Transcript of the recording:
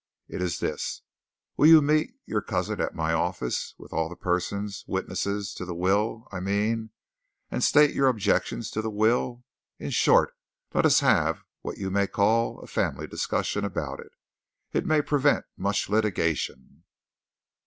It is this will you meet your cousin at my office, with all the persons witnesses to the will, I mean and state your objections to the will? In short, let us have what we may call a family discussion about it it may prevent much litigation."